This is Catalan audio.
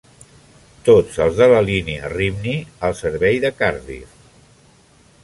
Tots els de la línia Rhymney al servei de Cardiff.